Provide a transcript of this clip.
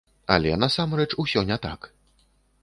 Але насамрэч усё не так.